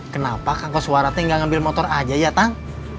kenapa kang kau suara teh nggak ngambil motor aja ya tang